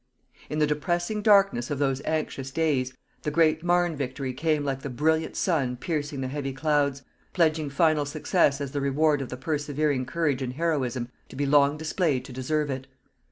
In the depressing darkness of those anxious days, the great Marne victory came like the brilliant sun piercing the heavy clouds, pledging final success as the reward of the persevering courage and heroism to be long displayed to deserve it.